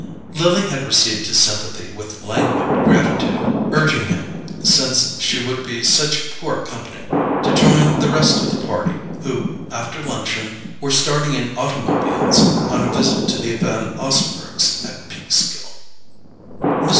Lily had received his sympathy with languid gratitude, urging him, since she should be such poor company, to join the rest of the party who, after luncheon, were starting in automobiles on a visit to the Van Osburghs at Peekskill. Mr.